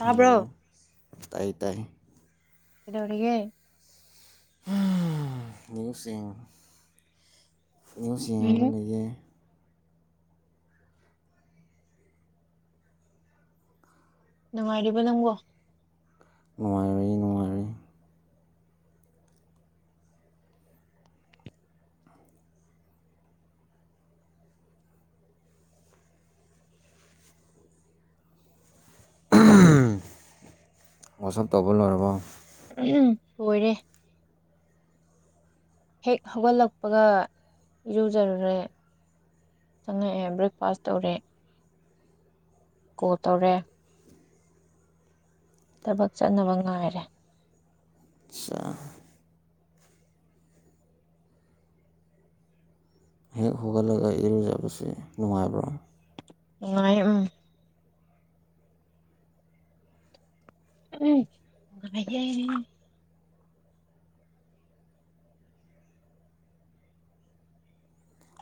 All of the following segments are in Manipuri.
ꯇꯥꯕ꯭ꯔꯣ ꯍꯜꯂꯣ, ꯇꯥꯏ ꯇꯥꯏ ꯀꯩꯗꯧꯔꯤꯒꯦ ꯅ꯭ꯌꯨꯁꯁꯤꯡ ꯅ꯭ꯌꯨꯁ ꯌꯦꯡꯉꯒ ꯎꯝ ꯂꯩꯌꯦꯦ ꯅꯨꯡꯉꯥꯏꯔꯤꯕ ꯅꯪꯕꯣ ꯅꯨꯡꯉꯥꯏꯔꯤ ꯅꯨꯡꯉꯥꯏꯔꯤ ꯥꯋꯥꯁꯞ ꯇꯧꯕ ꯂꯣꯏꯔꯕꯣ ꯂꯣꯏꯔꯦ ꯍꯦꯛ ꯍꯧꯒꯠꯂꯛꯄꯒ ꯏꯔꯨꯖꯔꯨꯔꯦ ꯆꯪꯉꯛꯑꯦ ꯕ꯭ꯔꯦꯛꯐꯥꯁ ꯇꯧꯔꯦ ꯀꯣꯜ ꯇꯧꯔꯦ ꯊꯥꯕꯛ ꯆꯠꯅꯕ ꯉꯥꯏꯔꯦ ꯑꯠꯆꯥꯥ ꯍꯦꯛ ꯍꯧꯒꯠꯂꯒ ꯢꯔꯨ ꯂꯨꯖꯕꯁꯦ ꯅꯨꯡꯉꯥꯏꯕ꯭ꯔꯣ ꯅꯨꯡꯉꯥꯢꯌꯦ ꯎꯝ ꯎꯝ ꯅꯨꯡꯉꯥꯢꯌꯦ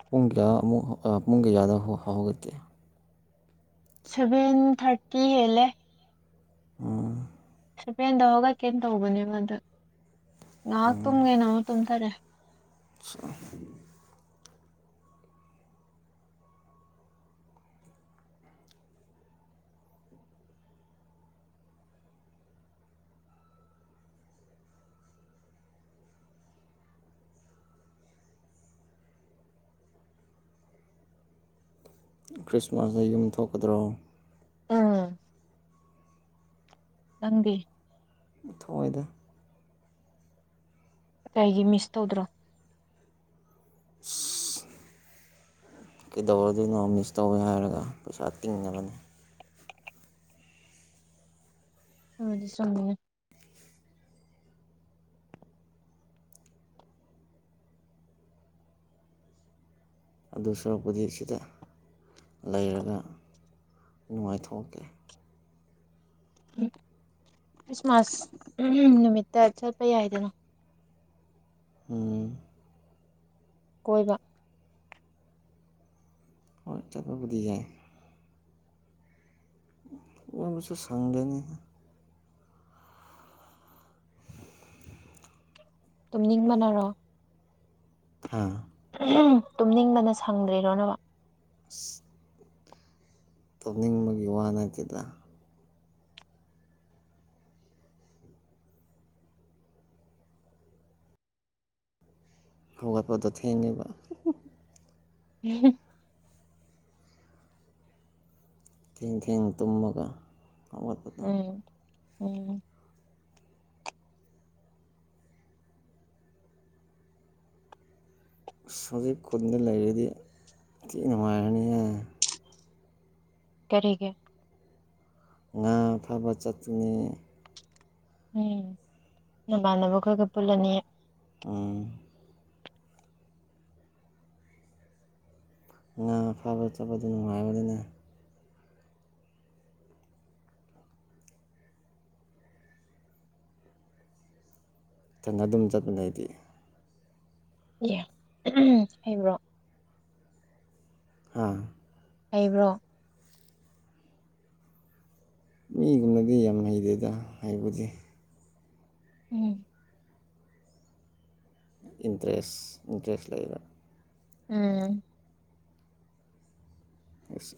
ꯄꯨꯡ ꯀꯌꯥ ꯑꯃꯨꯛ ꯑꯥ ꯄꯨꯡ ꯀꯌꯥꯗ ꯍꯧꯒꯠꯀꯦ ꯁꯚꯦꯟ ꯊꯥꯔꯇꯤ ꯍꯦꯜꯂꯦ ꯎꯝ ꯁꯚꯦꯟꯗ ꯍꯧꯒꯠꯀꯦꯅ ꯇꯧꯕꯅꯦꯕ ꯑꯗꯨ ꯉꯥꯏꯍꯥꯛ ꯇꯨꯝꯒꯦꯅ ꯑꯃꯨꯛ ꯇꯨꯝꯊꯔꯦ ꯑꯠꯆꯥ ꯈ꯭ꯔꯤꯁꯃꯥꯁꯇ ꯌꯨꯝ ꯊꯣꯛꯀꯗ꯭ꯔꯣ ꯑꯧ ꯅꯪꯗꯤ ꯊꯣꯛꯑꯣꯏꯗ ꯀꯩꯒꯤ ꯃꯤꯁ ꯇꯧꯗ꯭ꯔꯣ ꯀꯩꯗꯧꯅꯗꯣꯏꯅꯣ ꯃꯤꯁ ꯇꯧꯋꯦ ꯍꯥꯏꯔꯒ ꯄꯩꯁꯥ ꯇꯤꯡꯅꯕꯅꯤ ꯑꯗꯨꯕꯨꯗꯤ ꯆꯨꯝꯃꯤꯅꯦ ꯑꯗꯨ ꯁꯨꯔꯛꯄꯨꯗꯤ ꯁꯤꯗ ꯂꯩꯔꯒ ꯅꯨꯡꯉꯥꯏꯊꯣꯛꯀꯦ ꯎꯝ ꯈ꯭ꯔꯤꯁꯃꯥꯁ ꯅꯨꯃꯤꯠꯇ ꯆꯠꯄ ꯌꯥꯏꯗꯅꯥ ꯎꯝ ꯀꯣꯏꯕ ꯑ ꯆꯠꯄꯕꯨꯗꯤ ꯌꯥꯏ ꯀꯣꯏꯕꯁꯨ ꯁꯪꯗꯦꯅꯦ ꯇꯨꯝꯅꯤꯡꯕꯅꯔꯣ ꯍꯥ ꯇꯨꯝꯅꯤꯡꯗꯅ ꯁꯪꯗ꯭ꯔꯤꯔꯣꯅꯕ [inaudible] ꯇꯨꯝꯅꯤꯡꯕꯒꯤ ꯋꯥ ꯅꯠꯇꯦꯗ ꯍꯧꯒꯠꯄꯗ ꯊꯦꯡꯉꯤꯕ ꯎꯝ ꯊꯦꯡ ꯊꯦꯡꯅ ꯇꯨꯝꯃꯒ ꯍꯧꯒꯠꯄꯗꯣ ꯎꯝ ꯎꯝ ꯑꯁ ꯍꯧꯖꯤꯛ ꯈꯨꯟꯗ ꯂꯩꯔꯗꯤ ꯊꯤ ꯅꯨꯡꯉꯥꯏꯔꯅꯤꯍꯦ ꯀꯔꯤꯒꯤ ꯉꯥ ꯐꯥꯕ ꯆꯠꯇꯨꯅꯦ ꯎꯝ ꯅꯃꯥꯟꯅꯕ ꯈꯣꯢꯒ ꯄꯨꯜꯂꯅꯤ ꯎꯝ ꯉꯥ ꯐꯥꯕ ꯆꯠꯄꯗꯨ ꯅꯨꯡꯉꯥꯏꯕꯅꯤꯅꯦ ꯏꯊꯟꯗ ꯑꯗꯨꯝ ꯆꯠꯄꯅꯦ ꯑꯩꯗꯤ ꯌꯦ ꯎꯝ ꯍꯩꯕ꯭ꯔꯣ ꯍꯥ ꯍꯩꯕ꯭ꯔꯣ ꯃꯤꯒꯨꯝꯅꯗꯤ ꯌꯥꯝ ꯍꯩꯗꯦꯗ ꯍꯥꯏꯕꯨꯗꯤ ꯎꯝ ꯏꯟꯇꯔꯦꯁ ꯏꯟꯇꯔꯦꯁ ꯂꯩꯕ ꯎꯝ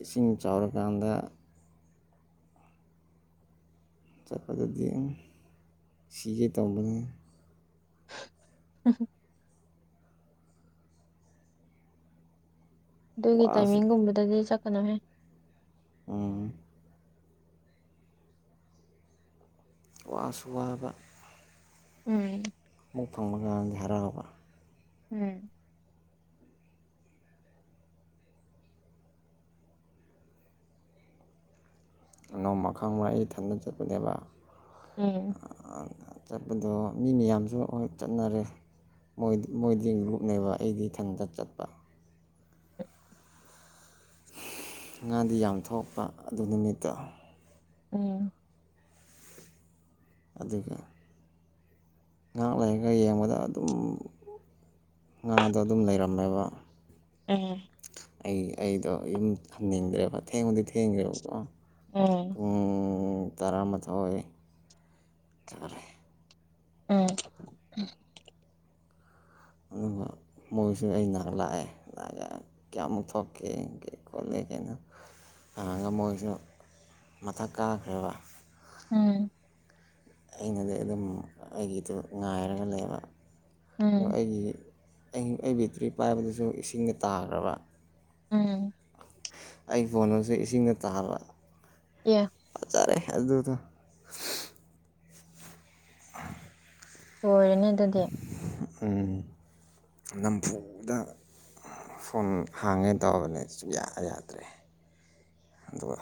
ꯏꯁꯤꯡ ꯆꯥꯎꯔꯀꯥꯟꯗ ꯆꯠꯄꯗꯗꯤ ꯑꯝ ꯁꯤꯒꯦ ꯇꯥꯎꯕꯅꯦ [unintelligible] ꯑꯗꯨꯒꯤ ꯋꯥꯁꯨ ꯇꯥꯏꯃꯤꯡꯒꯨꯝꯕꯗꯗꯤ ꯆꯠꯀꯅꯨꯍꯦ ꯎꯝ ꯋꯥꯁꯨ ꯋꯥꯕ ꯎꯝ ꯑꯃꯨꯛ ꯐꯪꯕꯀꯟꯗ ꯍꯔꯥꯎꯕ ꯎꯝ ꯅꯣꯡꯃ ꯈꯥꯡꯕ꯭ꯔ ꯑꯩ ꯊꯟꯗꯅ ꯆꯠꯄꯅꯦꯕ ꯎꯝ ꯑ ꯆꯠꯄꯗꯣ ꯃꯤ ꯃꯌꯥꯝꯁꯨ ꯍꯣꯏ ꯆꯠꯅꯔꯦ ꯃꯣꯏ ꯃꯣꯏꯗꯤ ꯒꯔꯨꯞꯅꯦꯕ ꯑꯩꯗꯤ ꯏꯊꯟꯇ ꯆꯠꯄ ꯉꯥꯗꯤ ꯌꯥꯝ ꯊꯣꯛꯄ ꯑꯗꯨ ꯅꯨꯃꯤꯠꯇꯣ ꯎꯝ ꯑꯗꯨꯒꯦ ꯉꯥꯛ ꯂꯩꯔꯒ ꯌꯦꯡꯕꯗ ꯑꯗꯨꯝ ꯉꯥꯗꯣ ꯑꯗꯨꯝ ꯂꯩꯔꯝꯃꯦꯕ ꯎꯝ ꯑꯩ ꯑꯩꯗꯣ ꯌꯨꯝ ꯊꯝꯅꯤꯡꯗ꯭ꯔꯦꯕ ꯊꯦꯡꯕꯨꯗꯤ ꯊꯦꯡꯈ꯭ꯔꯦꯕꯀꯣ ꯎꯝ ꯄꯨꯡ ꯇꯔꯥꯃꯥꯊꯣꯏ ꯇꯔꯦ ꯎꯝ ꯑꯗꯨꯒ ꯃꯣꯏꯁꯨ ꯑꯩꯅꯛ ꯂꯥꯛꯑꯦ ꯂꯥꯛꯑꯒ ꯀꯌꯥꯃꯨꯛ ꯊꯣꯛꯀꯦ ꯈꯣꯠꯂꯦ ꯀꯩꯅꯣ ꯍꯥꯡꯉꯒ ꯃꯣꯏꯁꯨ ꯃꯊꯛ ꯀꯥꯈ꯭ꯔꯦꯕ ꯎꯝ ꯑꯩꯅꯗꯤ ꯑꯗꯨꯝ ꯑꯩꯒꯤꯗꯣ ꯉꯥꯏꯔꯒ ꯂꯩꯕ ꯑꯗꯣ ꯎꯝ ꯑꯩꯒꯤ ꯑꯩ ꯑꯩ ꯕꯦꯇ꯭ꯔꯤ ꯄꯥꯏꯕꯗꯁꯨ ꯏꯁꯤꯡꯗ ꯇꯥꯈ꯭ꯔꯕ ꯎꯝ ꯑꯩ ꯐꯣꯟꯗꯨꯁꯨ ꯏꯁꯤꯡꯗ ꯇꯥꯕ ꯑꯦ ꯑꯖꯥꯔꯦ ꯑꯗꯨꯗꯣ [unintelligible] ꯂꯣꯏꯔꯦꯅꯦ ꯑꯗꯨꯗꯤ ꯑꯝ ꯅꯝꯐꯨꯗ ꯐꯣꯟ ꯍꯥꯡꯒꯦ ꯇꯧꯕꯅꯦ ꯁꯨꯡꯌꯥ ꯌꯥꯗ꯭ꯔꯦ ꯑꯗꯨꯒ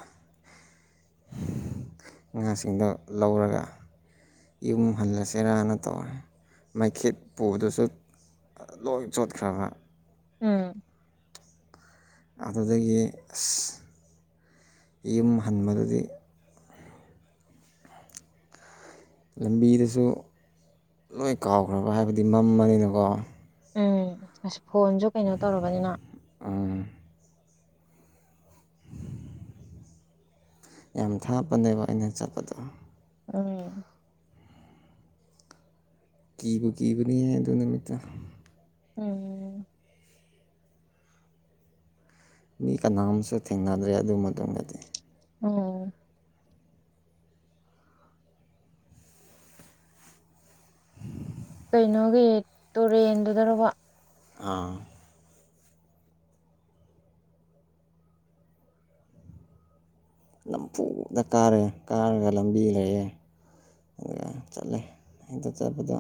ꯉꯥꯁꯤꯡꯗꯣ ꯂꯧꯔꯒ ꯌꯨꯝ ꯍꯜꯂꯁꯦꯔꯅ ꯇꯧꯔꯦ ꯃꯩꯈꯦꯠ ꯄꯨꯕꯗꯨꯁꯨ ꯂꯣꯏ ꯆꯣꯠꯈ꯭ꯔꯕ ꯎꯝ ꯑꯗꯨꯗꯒꯤ ꯑꯁ ꯌꯨꯝ ꯍꯟꯕꯗꯗꯤ ꯂꯝꯕꯤꯗꯨꯁꯨ ꯂꯣꯏ ꯀꯥꯎꯈ꯭ꯔꯕ ꯍꯥꯏꯕꯗꯤ ꯃꯝꯕꯅꯤꯅꯀꯣ ꯎꯝ ꯑꯁ ꯐꯣꯟꯁꯨ ꯀꯩꯅꯣ ꯇꯧꯔꯕꯅꯤꯅ ꯑꯝ ꯌꯥꯝ ꯊꯥꯞꯄꯅꯦꯕ ꯑꯩꯅ ꯆꯠꯄꯗꯣ ꯎꯝ ꯀꯤꯕꯨ ꯀꯤꯕꯅꯤꯌꯦ ꯑꯗꯨ ꯅꯨꯃꯤꯠꯇꯨ ꯎꯝ ꯃꯤ ꯀꯅꯥꯝꯁꯨ ꯊꯦꯡꯅꯗ꯭ꯔꯦ ꯑꯗꯨ ꯃꯇꯨꯃꯗꯗꯤ ꯎꯟ ꯀꯩꯅꯣꯒꯤ ꯇꯨꯔꯦꯟꯗꯨꯗꯔꯕ ꯑꯥ ꯅꯝꯐꯨꯗ ꯀꯥꯔꯦ ꯀꯥꯔꯒ ꯂꯝꯕꯤ ꯂꯩꯑꯦ ꯎꯟ ꯆꯠꯂꯦ ꯑꯗꯨ ꯆꯠꯄꯗꯣ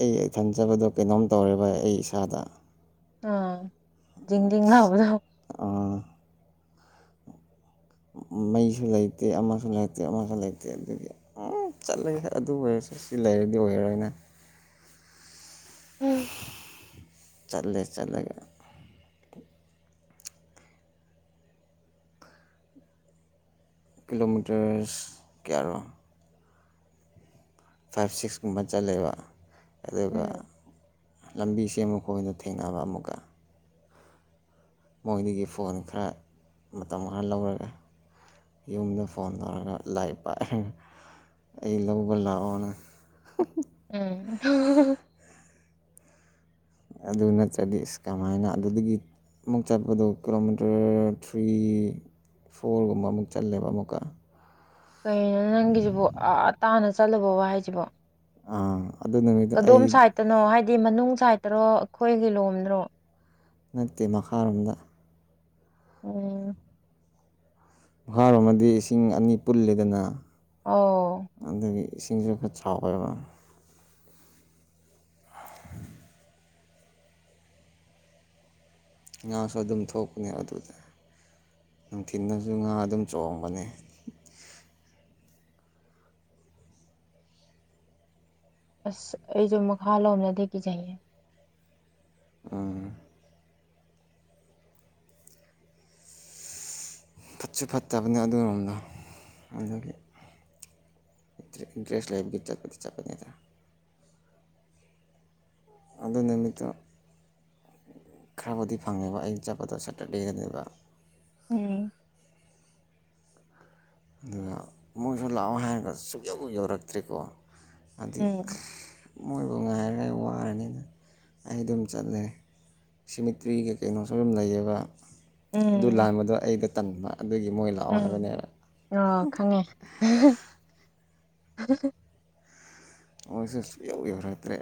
ꯑꯩ ꯏꯊꯟ ꯆꯇꯄꯗꯣ ꯀꯩꯅꯣꯝ ꯇꯧꯔꯦꯕ ꯑꯩ ꯏꯁꯥꯗ ꯑ ꯗꯤꯪ ꯗꯤꯡ ꯂꯥꯑꯣꯕꯗꯣ ꯃꯩꯁꯨ ꯂꯩꯇꯦ ꯑꯃꯁꯨ ꯂꯩꯇꯦ ꯑꯃꯁꯨ ꯂꯩꯇꯦ ꯑꯗꯨꯒꯤ ꯎ ꯆꯠꯂꯦ ꯑꯗꯨ ꯑꯣꯏꯔꯁꯨꯦ ꯁꯤ ꯂꯩꯔꯗꯤ ꯑꯣꯏꯔꯣꯏꯅ ꯆꯠꯂꯦ ꯆꯠꯂꯦꯒ ꯀꯤꯂꯣꯃꯤꯇꯔꯁ ꯀꯦꯌꯥꯔꯣ ꯐꯥꯏꯚ ꯁꯤꯛꯁ ꯀꯨꯝꯕ ꯆꯠꯂꯦꯕ ꯑꯗꯨꯒ ꯎꯝ ꯂꯝꯕꯤ ꯁꯦꯝꯃꯨꯀꯣ ꯑꯣꯏꯅ ꯊꯦꯡꯅꯕ ꯑꯃꯨꯛꯀ ꯃꯣꯏꯗꯒꯤ ꯐꯣꯟ ꯈꯔ ꯃꯇꯝ ꯈꯔ ꯂꯧꯔꯒꯦ ꯌꯨꯝꯗ ꯐꯣꯟ ꯇꯧꯔꯒ ꯂꯥꯏꯔꯤꯛ ꯄꯥꯏ ꯑꯩ ꯂꯧꯕ ꯂꯥꯛꯑꯣꯅ ꯎꯝ ꯑꯗꯨ ꯅꯠꯇ꯭ꯔꯗꯤ ꯏꯁ ꯀꯃꯥꯏꯅ ꯑꯗꯨꯗꯒꯤ ꯑꯃꯨꯛ ꯆꯠꯄꯗꯣ ꯀꯤꯂꯣꯃꯤꯇꯔ ꯊ꯭ꯔꯤ ꯐꯣꯔꯒꯨꯝꯕ ꯑꯃꯨꯛ ꯆꯠꯂꯦꯕ ꯑꯃꯨꯛꯀ ꯀꯩꯅꯣ ꯅꯪꯒꯤꯖꯤꯕꯨ ꯑꯥ ꯇꯥꯅ ꯆꯠꯂꯨꯕ ꯋꯥ ꯍꯥꯏꯁꯤꯕꯣ ꯑꯥ ꯑꯗꯨ ꯅꯨꯃꯤꯠꯇꯣ ꯀꯗꯣꯝ ꯑꯩ ꯁꯥꯏꯠꯇꯅꯣ ꯍꯥꯏꯗꯤ ꯃꯅꯨꯡ ꯁꯥꯏꯠꯇꯔꯣ ꯑꯩꯈꯣꯏꯒꯤ ꯂꯣꯝꯗ꯭ꯔꯣ ꯅꯠꯇꯦ ꯃꯈꯥꯔꯣꯝꯗ ꯑꯣ ꯃꯈꯥꯔꯣꯝ ꯑꯗꯤ ꯏꯁꯤꯡ ꯑꯅꯤ ꯄꯨꯜꯂꯦꯗꯅ ꯑꯣ ꯑꯗꯨꯒꯤ ꯏꯁꯤꯡꯖꯨ ꯈꯔ ꯆꯥꯎꯕꯩ ꯋꯥ ꯉꯥꯁꯨ ꯑꯗꯨꯝ ꯊꯣꯛꯄꯅꯦ ꯑꯗꯨꯗ ꯅꯨꯡꯊꯤꯟꯗꯁꯨ ꯉꯥ ꯑꯗꯨꯝ ꯆꯣꯡꯕꯅꯦ ꯑꯁ ꯑꯩꯁꯨ ꯃꯈꯥ ꯔꯣꯝꯅꯗꯤ ꯀꯤꯖꯩꯌꯦ ꯎꯝ ꯐꯠꯁꯨ ꯐꯠꯇꯕꯅꯦ ꯑꯗꯨꯏꯔꯣꯝꯗ ꯑꯗꯨꯒꯤ ꯏꯟ ꯏꯟꯇꯔꯦꯁ ꯂꯩꯕꯒꯤ ꯆꯠꯄꯗꯤ ꯆꯠꯄꯅꯤꯗ ꯑꯗꯨ ꯅꯨꯃꯤꯠꯇꯣ ꯈꯔꯕꯨꯗꯤ ꯐꯪꯉꯦꯕ ꯑꯩꯅ ꯆꯠꯄꯗꯣ ꯁꯇꯔꯗꯦꯗꯅꯦꯕ ꯎꯝ ꯑꯗꯨꯒ ꯃꯣꯏꯁꯨ ꯂꯥꯛꯑꯣ ꯍꯥꯏꯔꯒ ꯁꯨꯛ ꯌꯧ ꯌꯧꯔꯛꯇ꯭ꯔꯦꯀꯣ ꯑꯗꯨꯏ ꯎꯝ ꯃꯣꯏꯕꯨ ꯉꯥꯏꯔꯒ ꯋꯥꯔꯅꯤꯅ ꯑꯩ ꯑꯗꯨꯝ ꯆꯠꯂꯦ ꯁꯤꯃꯤꯇ꯭ꯔꯤꯒꯤ ꯀꯩꯅꯣꯁꯨ ꯑꯗꯨꯝ ꯂꯩꯌꯦꯕ ꯑꯗꯨ ꯎꯝ ꯂꯥꯟꯕꯗꯣ ꯑꯩꯗꯣ ꯇꯟꯕ ꯑꯗꯨꯒꯤ ꯃꯣꯏ ꯂꯥꯛꯑꯣ ꯎꯝ ꯍꯥꯏꯕꯅꯦꯕ ꯑꯣ ꯈꯪꯉꯦ ꯃꯣꯏꯁꯨ ꯁꯨꯛ ꯌꯧ ꯌꯧꯔꯛꯇ꯭ꯔꯦ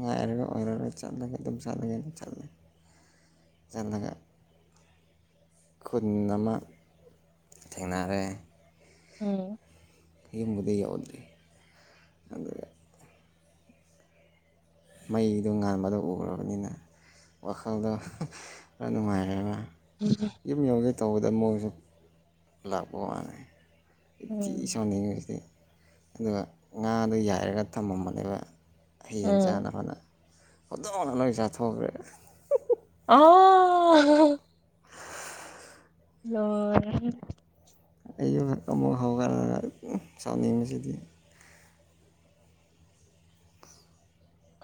ꯉꯥꯏꯔꯒ ꯑꯣꯏꯔꯔꯣꯏ ꯆꯠꯂꯒꯦ ꯑꯗꯨꯝ ꯆꯠꯂꯒꯦꯅ ꯆꯠꯂꯦ ꯆꯦꯠꯂꯒ ꯈꯨꯟ ꯑꯃ ꯊꯦꯡꯅꯔꯦ ꯎꯝ ꯌꯨꯝꯕꯨꯗꯤ ꯌꯧꯗ꯭ꯔꯤ ꯑꯗꯨꯒ ꯃꯩꯗꯣ ꯉꯥꯟꯕꯗꯣ ꯎꯔꯕꯅꯤꯅ ꯋꯥꯈꯜꯗꯣ ꯈꯔ ꯅꯨꯡꯉꯥꯏꯔꯦꯕ ꯎꯝ ꯌꯨꯝ ꯌꯨꯝꯒꯩ ꯇꯧꯕꯗ ꯃꯣꯏꯖꯨ ꯂꯥꯛꯄ ꯋꯥꯅꯦ ꯑꯩ ꯊꯤ ꯎꯝ ꯁꯥꯎꯅꯤꯡꯕꯁꯤꯗꯤ ꯑꯗꯨꯒ ꯉꯥꯗꯣ ꯌꯥꯏꯔꯒ ꯊꯝꯃꯝꯕꯅꯦꯕ ꯍꯌꯦꯡ ꯎꯝ [unintelligible] ꯍꯧꯗꯣꯡꯅ ꯂꯣꯏ ꯆꯥꯊꯣꯛꯈ꯭ꯔꯦ ꯑꯥ ꯂꯣꯏꯔꯦꯍꯦ ꯑꯩꯖꯨ ꯑꯃꯨꯛ ꯍꯧꯒꯠꯂꯒ ꯁꯥꯎꯅꯤꯡꯕꯁꯤꯗꯤ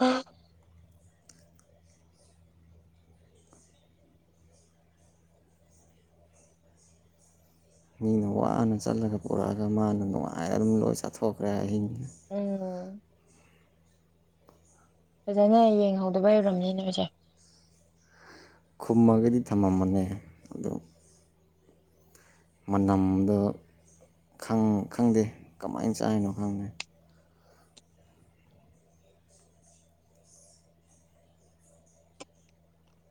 ꯑꯥ ꯃꯤꯅ ꯋꯥꯅ ꯆꯠꯂꯒ ꯄꯨꯔꯛꯑꯒ ꯃꯥꯅ ꯅꯨꯡꯉꯥꯏ ꯑꯗꯨꯝ ꯂꯣꯏ ꯆꯥꯊꯣꯛꯈ꯭ꯔꯦ ꯑꯍꯤꯡ ꯎꯝ ꯐꯖꯅ ꯌꯦꯡꯍꯧꯗꯕꯩ ꯑꯣꯏꯔꯝꯅꯤ ꯅꯣꯏꯁꯦ ꯈꯨꯝꯃꯒꯗꯤ ꯊꯝꯃꯃꯅꯦ ꯑꯗꯨ ꯃꯅꯝꯗ ꯈꯪ ꯈꯪꯗꯦ ꯀꯃꯥꯏꯟ ꯆꯥꯏꯅꯣ ꯈꯪꯗꯦ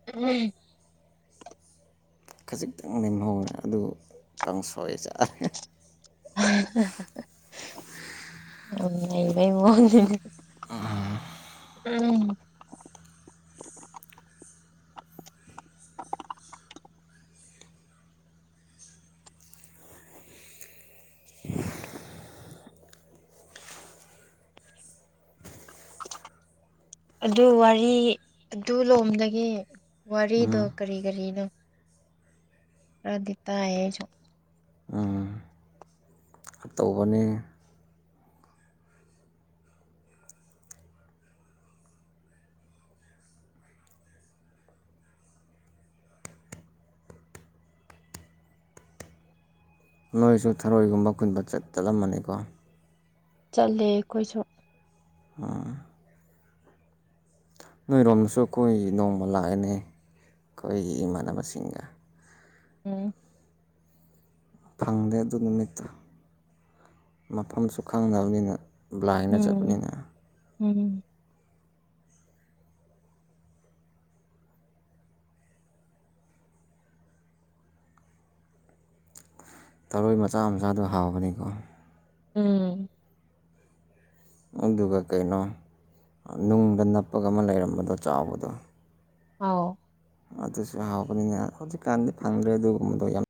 ꯎꯝ ꯈꯖꯤꯛꯇꯪ ꯂꯦꯝꯍꯧꯔꯦ ꯑꯗꯨ ꯀꯪꯁꯣꯏ ꯆꯥꯔꯦ ꯌꯝ ꯅꯩꯕꯩ ꯋꯥꯅꯤꯅꯦ ꯎꯝ ꯎꯝ [unintelligible] [unintelligible] ꯑꯗꯨ ꯋꯥꯔꯤ ꯑꯗꯨ ꯂꯣꯝꯗꯒꯤ ꯋꯥꯔꯤꯗꯣ ꯀꯔꯤ ꯀꯔꯤꯅꯣ ꯔꯥꯗꯤ ꯇꯥꯏ ꯑꯩꯁꯨ ꯈꯥ ꯇꯧꯕꯅꯤ ꯅꯣꯏꯁꯨ ꯊꯔꯣꯏꯒꯨꯝꯕ ꯀꯨꯟꯕ ꯆꯠ ꯆꯠꯂꯝꯃꯅꯤꯀꯣ ꯆꯠꯂꯦ ꯑꯩꯈꯣꯏꯁꯨ ꯑꯥ ꯅꯣꯏꯔꯣꯝꯗꯁꯨ ꯀꯣꯏ ꯅꯣꯡꯃ ꯂꯥꯛꯑꯦꯅꯦ ꯈꯣꯏꯒꯤ ꯏꯃꯥꯟꯅꯕꯁꯤꯡꯒ ꯎꯝ ꯐꯪꯗꯦ ꯑꯗꯨ ꯅꯨꯃꯤꯠꯇꯣ ꯃꯐꯝꯁꯨ ꯈꯪꯗꯕꯅꯤꯅ ꯕ꯭ꯂꯥꯏꯟꯗ ꯆꯠꯄꯅꯤꯅ ꯎꯝ ꯎꯝ ꯊꯔꯣꯏ ꯃꯆꯥ ꯃꯆꯥꯗꯨ ꯍꯥꯎꯕꯅꯤꯀꯣ ꯎꯝ ꯑꯗꯨꯒꯥ ꯀꯩꯅꯣ ꯅꯨꯡꯗ ꯅꯞꯄꯒꯥ ꯑꯃ ꯂꯩꯔꯝꯕꯗꯣ ꯆꯥꯎꯕꯗꯣ ꯑꯥꯎ ꯑꯗꯨꯁꯨ ꯍꯥꯎꯕꯅꯤꯅ ꯍꯧꯖꯤꯛꯀꯥꯟꯗꯤ ꯐꯪꯗ꯭ꯔꯦ ꯑꯗꯨꯒꯨꯝꯕꯗꯣ ꯌꯥꯝ